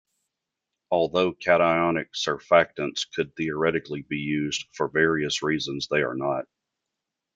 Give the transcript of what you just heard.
Although cationic surfactants could theoretically be used, for various reasons they are not.